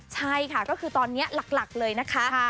ใช่ค่ะก็คือตอนนี้หลักเลยนะคะ